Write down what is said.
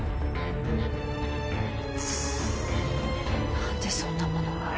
なんでそんなものが。